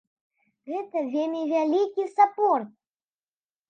Гэта вельмі вялікі сапорт.